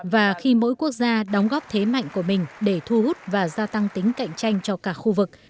và khi mỗi quốc gia đóng góp thế mạnh của mình để thu hút và gia tăng tính cạnh tranh cho cả khu vực